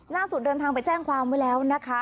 เดินทางไปแจ้งความไว้แล้วนะคะ